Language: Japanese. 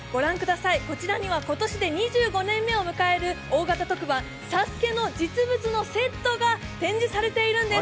こちらには今年で２５年目を迎える大型特番「ＳＡＳＵＫＥ」の実物のセットが展示されているんです。